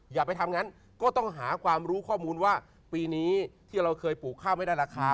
อย่าไปทำงั้นก็ต้องหาความรู้ข้อมูลว่าปีนี้ที่เราเคยปลูกข้าวไม่ได้ราคา